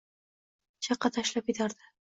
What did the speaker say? Chaqa tashlab ketardi.